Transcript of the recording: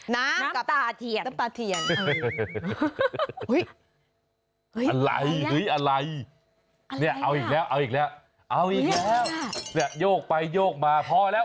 น้ำกับตาเถียนอะไรอะไรเอาอีกแล้วนี่โยกไปโยกมาพอแล้ว